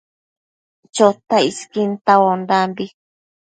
Chotac isquin tauaondambi